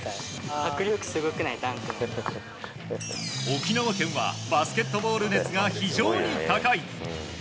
沖縄県はバスケットボール熱が非常に高い！